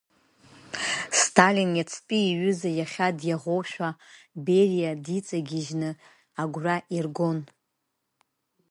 Сталин иацтәи иҩыза, иахьа диаӷоушәа, Бериа диҵагьежьны агәра ииргон…